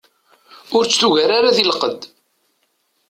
Ur t-tugar ara di lqedd.